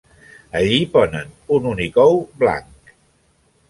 Allí ponen un únic ou blanc.